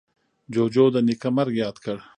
جوجو د نیکه مرگ ياد کړ.